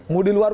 mau di luar